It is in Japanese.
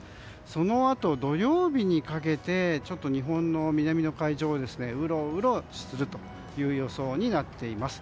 そのあと土曜日にかけて日本の南海上をうろうろするという予想になっています。